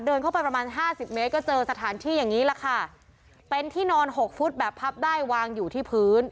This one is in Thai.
เดินเข้าไปประมาณห้าสิบเมตรก็เจอสถานที่อย่างนี้แหละค่ะเป็นที่นอนหกฟุตแบบพับได้วางอยู่ที่พื้น